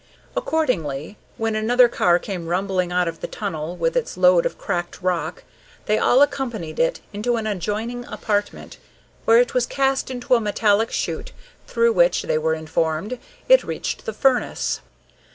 Accordingly when another car came rumbling out of the tunnel, with its load of cracked rock, they all accompanied it into an adjoining apartment, where it was cast into a metallic shute, through which, they were informed, it reached the furnace.